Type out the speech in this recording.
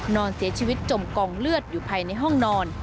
นอนเสียชีวิตจมกองเลือดอยู่ภายในห้องนอน